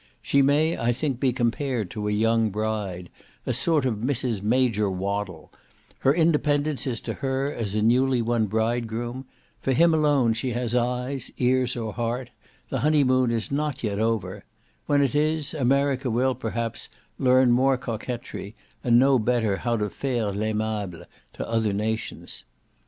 She may, I think, be compared to a young bride, a sort of Mrs. Major Waddle; her independence is to her as a newly won bridegroom; for him alone she has eyes, ears, or heart;—the honeymoon is not over yet;—when it is, America will, perhaps, learn more coquetry, and know better how to faire l'aimable to other nations.